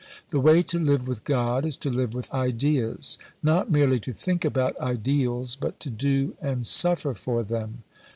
The way to live with God is to live with Ideas not merely to think about ideals, but to do and suffer for them.